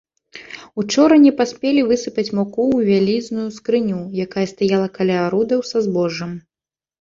Учора не паспелі высыпаць муку ў вялізную скрыню, якая стаяла каля арудаў са збожжам.